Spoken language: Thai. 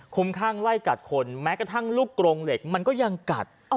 ข้างไล่กัดคนแม้กระทั่งลูกกรงเหล็กมันก็ยังกัด